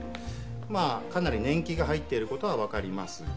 まあかなり年季が入っている事はわかりますが。